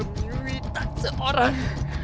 udah wita seorang